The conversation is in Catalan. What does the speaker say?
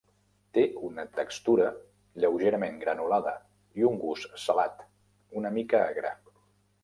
Té una textura lleugerament granulada i un gust salat, una mica agre.